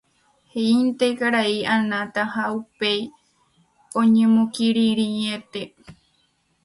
he'ínte karai Anata ha upéi oñemokirirĩete.